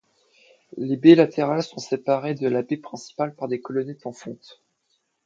Les baies latérales sont séparées de la baie principale par des colonnettes en fonte.